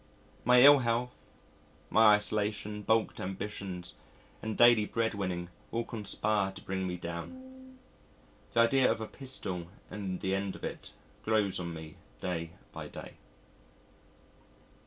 My ill health, my isolation, baulked ambitions, and daily breadwinning all conspire to bring me down. The idea of a pistol and the end of it grows on me day by day.